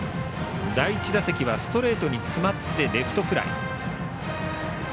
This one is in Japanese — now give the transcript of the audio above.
第１打席はストレートに詰まってレフトフライ。